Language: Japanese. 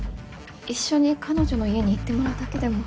一緒に彼女の家に行ってもらうだけでも。